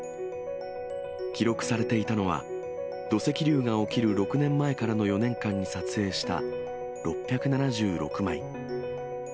記録されていたのは、土石流が起きる６年前からの４年間に撮影した６７６枚。